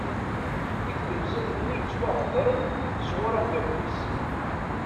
I tlemẓit-nni yettwaɣedren s ɣur amddakel-is.